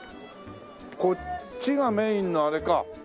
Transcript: こっちがメインのあれか。